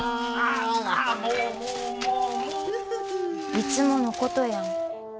いつものことやん。